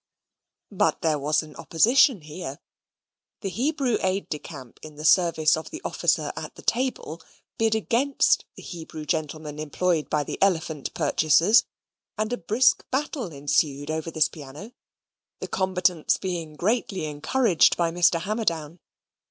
But there was an opposition here. The Hebrew aide de camp in the service of the officer at the table bid against the Hebrew gentleman employed by the elephant purchasers, and a brisk battle ensued over this little piano, the combatants being greatly encouraged by Mr. Hammerdown.